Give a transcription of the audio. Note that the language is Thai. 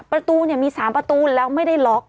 ประตูมี๓ประตูแล้วไม่ได้ล็อก